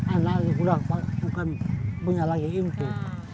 anaknya udah bukan punya lagi insu